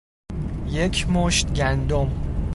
یک مشت گندم